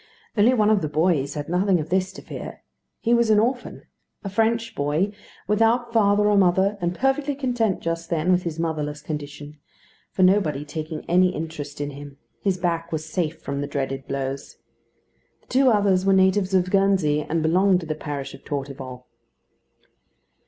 One only of the boys had nothing of this to fear. He was an orphan: a French boy, without father or mother, and perfectly content just then with his motherless condition; for nobody taking any interest in him, his back was safe from the dreaded blows. The two others were natives of Guernsey, and belonged to the parish of Torteval.